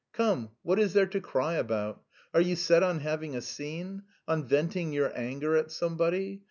"Come, what is there to cry about? Are you set on having a scene? On venting your anger on somebody?